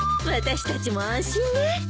私たちも安心ね。